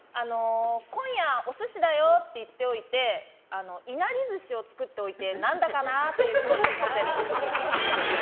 今夜、お寿司だよって言っておいていなり寿司を作っておいて何だかなという気持ちにさせる。